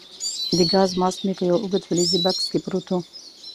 د ګاز ماسک مې په یو اوږد فلزي بکس کې پروت وو.